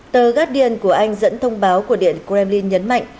tờ guardian của anh dẫn thông báo của điện kremlin nhấn mạnh